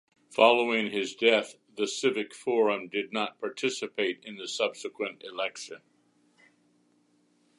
Following his death, the Civic Forum did not participate in the subsequent election.